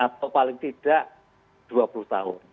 atau paling tidak dua puluh tahun